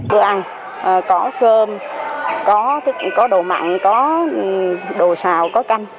cứ ăn có cơm có đồ mặn có đồ xào có canh